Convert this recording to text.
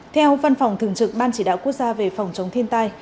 theo văn phòng thường trực ban chỉ đạo quốc gia về phòng chống thiên tai